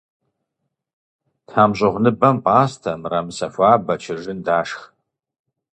ТхьэмщӀыгъуныбэм пӀастэ, мырамысэ хуабэ, чыржын дашх.